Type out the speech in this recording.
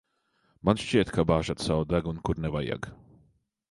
Man šķiet, ka bāžat savu degunu, kur nevajag.